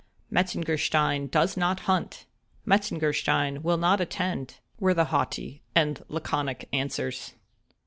—"Metzengerstein does not hunt;" "Metzengerstein will not attend," were the haughty and laconic answers.